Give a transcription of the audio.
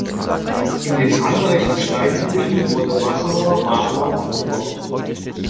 In den zahlreichen Steinbrüchen wurde Wachauer Marmor abgebaut.